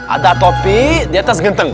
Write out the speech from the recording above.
ada topi di atas genteng